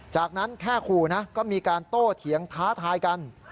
จากนั้นแค่ขู่นะก็มีการโต้เถียงท้าทายกัน